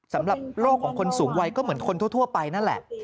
สำหรับโรคของคนสูงวัยก็เหมือนคนทั่วไปนั่นแหละ